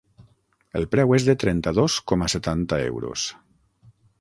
El preu és de trenta-dos coma setanta euros.